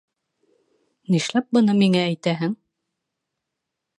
Нишләп быны миңә әйтәһең?